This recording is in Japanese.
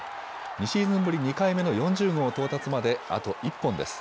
２シーズンぶり２回目の４０号到達まであと１本です。